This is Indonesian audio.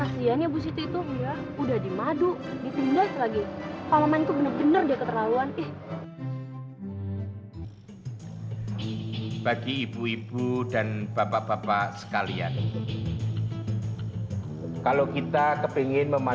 sampai jumpa di video selanjutnya